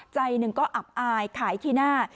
ใจหนึ่งก็อับอายขายที่หน้า